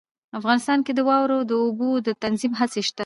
افغانستان کې د واورو د اوبو د تنظیم هڅې شته.